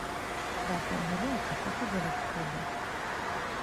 দরকার হলে আপনার সঙ্গে যোগাযোগ করব।